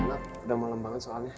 udah malem banget soalnya